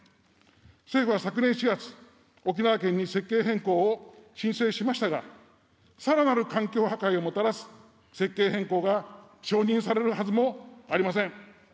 政府は昨年４月、沖縄県に設計変更を申請しましたが、さらなる環境破壊をもたらす設計変更が承認されるはずもありません。